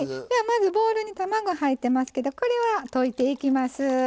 ではまずボウルに卵入ってますけどこれは溶いていきます。